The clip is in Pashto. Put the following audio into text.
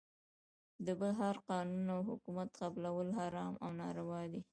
د بل هر قانون او حکومت قبلول حرام او ناروا دی .